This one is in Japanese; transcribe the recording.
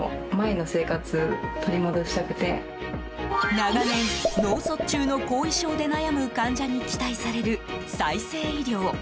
長年、脳卒中の後遺症で悩む患者に期待される再生医療。